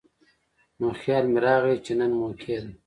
نو خيال مې راغے چې نن موقع ده ـ